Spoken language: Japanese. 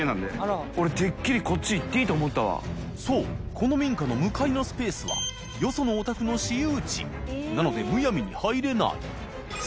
この民家の向かいのスペースは茲修お宅の私有地磴覆里むやみに入れない磴弔